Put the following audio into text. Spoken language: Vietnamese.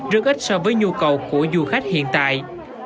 rất ít so với nhu cầu của du khách hiện tại